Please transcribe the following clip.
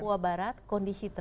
kalau papua barat kondisi terakhir